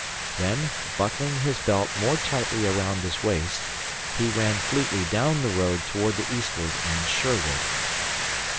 Then, buckling his belt more tightly around his waist, he ran fleetly down the road toward the eastward and Sherwood.